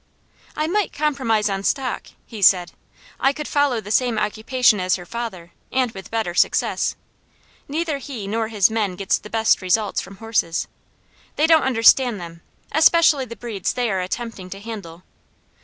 "I might compromise on stock," he said. "I could follow the same occupation as her father, and with better success. Neither he nor his men get the best results from horses. They don't understand them, especially the breeds they are attempting to handle.